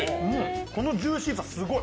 このジューシーさ、すごい。